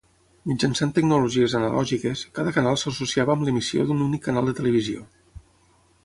Mitjançant tecnologies analògiques, cada canal s'associava amb l'emissió d'un únic canal de televisió.